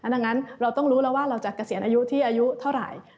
ดังนั้นเราต้องรู้แล้วว่าเราจะเกษียณอายุที่อายุเท่าไหร่